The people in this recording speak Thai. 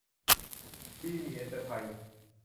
พรีเมียร์เอ็นเตอร์ไพรซ์